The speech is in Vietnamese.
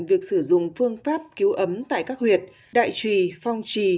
việc sử dụng phương pháp cứu ấm tại các huyệt đại trùy phong trì